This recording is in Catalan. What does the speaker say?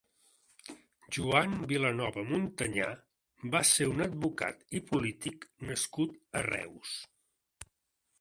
Joan Vilanova Montañà va ser un advocat i polític nascut a Reus.